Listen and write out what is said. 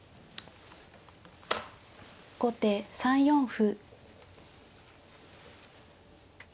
後手３四歩。